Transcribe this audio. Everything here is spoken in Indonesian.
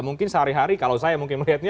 mungkin sehari hari kalau saya mungkin melihatnya